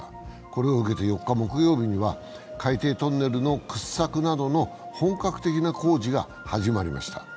これを受けて４日、木曜日には海底トンネルの掘削などの本格的な工事が始まりました。